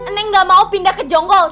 neneng gak mau pindah ke jonggol